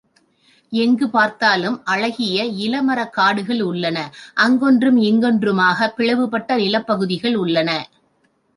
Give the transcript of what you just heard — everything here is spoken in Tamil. எங்குப் பார்த்தாலும் அழகிய இள மரக் காடுகள் உள்ளன, அங்கொன்றும் இங்கொன்றுமாகப் பிளவுபட்ட நிலப்பகுதிகள் உள்ளன.